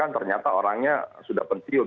ternyata orangnya sudah pensiun